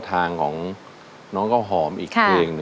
เพลงที่๖ของน้องข้าวหอมมาครับ